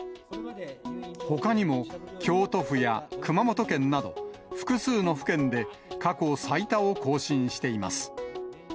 ほかにも、京都府や熊本県など、複数の府県で過去最多を更新しています。